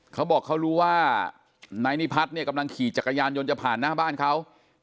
เขาบอกเขารู้ว่านายนิพัฒน์เนี่ยกำลังขี่จักรยานยนต์จะผ่านหน้าบ้านเขา